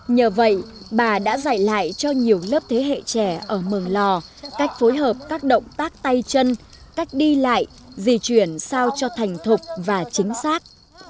nhờ vậy bà đã dạy lại cho nhiều lớp thế hệ trẻ ở mường lò cách phối hợp các động tác tay chân cách đi lại di chuyển sao cho thành thục và chính xác